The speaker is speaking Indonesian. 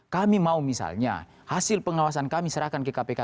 kami mau misalnya hasil pengawasan kami serahkan ke kpk